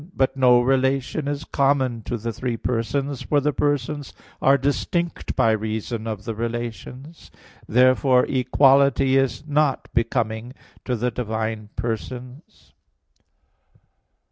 But no relation is common to the three persons; for the persons are distinct by reason of the relations. Therefore equality is not becoming to the divine persons.